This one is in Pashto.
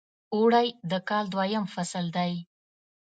اوړی د کال دویم فصل دی .